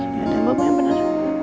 ya udah bobo yang bener